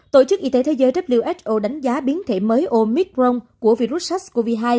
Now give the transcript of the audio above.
tổ chức y tế thế giới who đánh giá biến thể mới omicron của virus sars cov hai